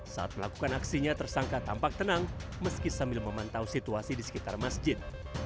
saat melakukan aksinya tersangka tampak tenang meski sambil memantau situasi di sekitar masjid